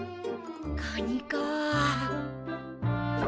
カニかあ。